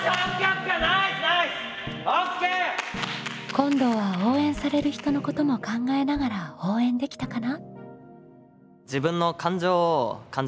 今度は応援される人のことも考えながら応援できたかな？